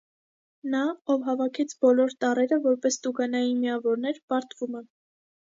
Նա, ով հավաքեց բոլոր տառերը որպես տուգանային միավորներ, պարտվում է։